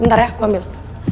bentar ya gue ambil